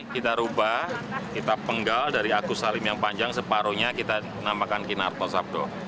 kita ubah kita penggal dari agus salim yang panjang separuhnya kita namakan kinarto sabdo